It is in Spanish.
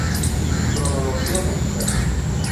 Cronología musical